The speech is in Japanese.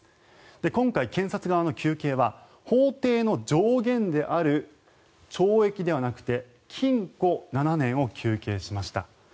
今回、検察側の求刑は法定の上限である懲役ではなくて禁錮７年を求刑しました。